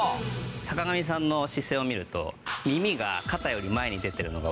坂上さんの姿勢を見ると耳が肩より前に出てるのがわかりますかね？